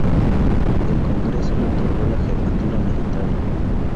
El Congreso le otorgó la jefatura militar.